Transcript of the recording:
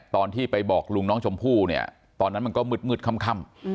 ตอนที่ไปบอกลุงน้องชมพู่เนี่ยตอนนั้นมันก็มืดค่ำ